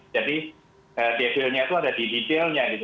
jadi devilnya itu ada di detailnya gitu